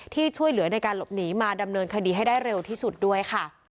ที่ช่วยเหลือในการหลบหนีมาดำเนินคดีให้ได้เร็วที่สุดด้วยค่ะ